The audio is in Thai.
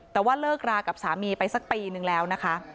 แต่ว่าเลิกรากับสามีไปสักปีนึงแล้วนะคะ